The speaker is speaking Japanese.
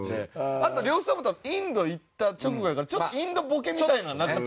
あと呂布さんも多分インド行った直後やからちょっとインドボケみたいなのなかったですか？